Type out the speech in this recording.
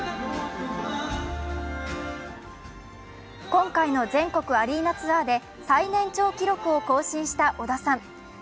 今回の全国アリーナツアーで最年長記録を更新した小田さん。